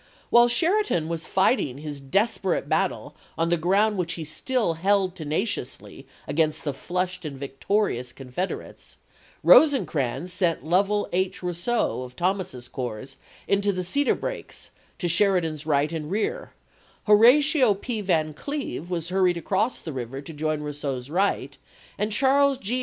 While Sheridan was fighting his desperate battle on the ground which he still held tena ciously against the flushed and victorious Con federates, Rosecrans sent Lovell H. Rousseau of Thomas's corps into the cedar brakes to Sheridan's right and rear ; Horatio P. Van Cleve was hurried across the river to join Rousseau's right, and Charles G.